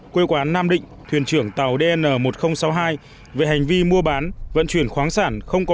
quê quán nam định thuyền trưởng tàu dn một nghìn sáu mươi hai về hành vi mua bán vận chuyển khoáng sản không có